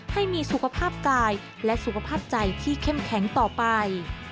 ให้มีสุขภาพกายและสุขภาพใจที่เข้มแข็งต่อไป